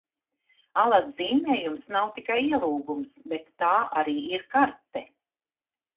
Alas zīmējums nav tikai ielūgums, bet tā arī ir karte!